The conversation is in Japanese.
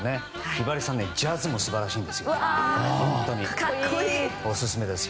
ひばりさんジャズも素晴らしいんですよ。